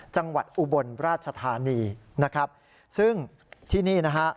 จังหวัดอุบลราชธานีนะครับซึ่งที่นี่นะฮะ